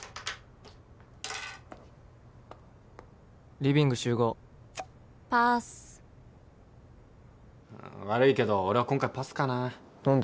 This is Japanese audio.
「リビング集合」「パス」悪いけど俺は今回パスかな何で？